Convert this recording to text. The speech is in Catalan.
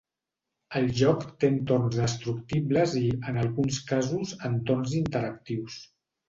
El joc té entorns destructibles i, en alguns casos, entorns interactius.